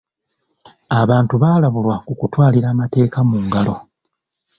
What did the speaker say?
Abantu baalabulwa ku kutwalira amateeka mu ngalo.